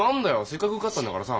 せっかく受かったんだからさ